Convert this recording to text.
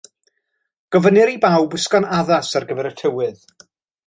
Gofynnir i bawb wisgo'n addas ar gyfer y tywydd